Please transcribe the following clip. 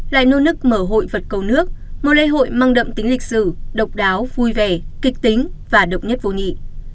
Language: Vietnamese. lại nô nức mở hội vật cầu nước một lễ hội mang đậm tính lịch sử độc đáo vui vẻ kịch tính và độc nhất vô nhị